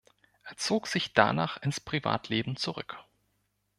Er zog sich danach ins Privatleben zurück.